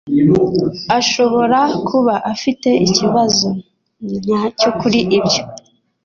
ashobora kuba afite ikibazo nyacyo kuri ibyo